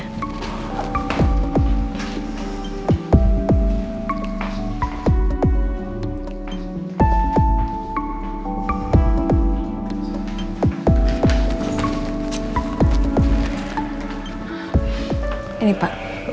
tunggu disini dulu ya